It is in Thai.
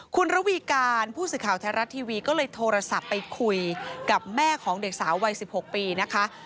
คุณระวีการผู้สื่อข่าวไทยรัฐทีวีก็เลยโทรศัพท์ไปคุยกับแม่ของเด็กสาววัย๑๖ปีนะคะ